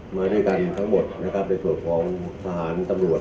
มาด้วยกันทั้งหมด